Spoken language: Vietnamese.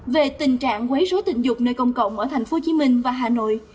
về tình trạng quấy rối tình dục nơi công cộng ở tp hcm và hà nội